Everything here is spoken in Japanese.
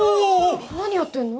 何やってんの？